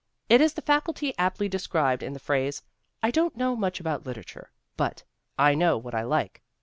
It is the faculty aptly described in the phrase: "I don't know much about literature, but I know what I like!'